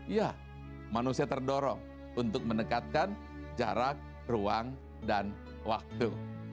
ya manusia terdorong untuk mendekatkan jarak ruang dan waktu